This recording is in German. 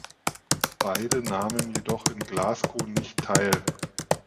Beide nahmen jedoch in Glasgow nicht teil.